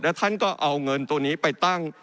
ท่านก็เอาเงินตัวนี้ไปตั้ง